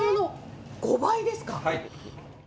はい。